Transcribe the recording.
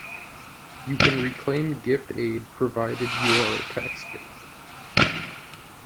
You can reclaim gift aid provided you are a taxpayer.